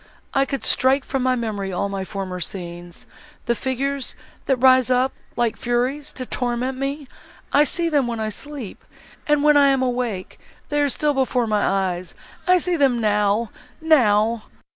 could I strike from my memory all former scenes—the figures, that rise up, like furies, to torment me!—I see them, when I sleep, and, when I am awake, they are still before my eyes! I see them now—now!"